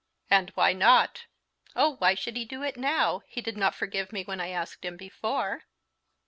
"And why not?" "Oh, why should he do it now? He did not forgive me when I asked him before."